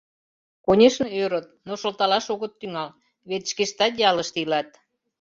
Конешне, ӧрыт, но шылталаш огыт тӱҥал, вет шкештат ялыште илат.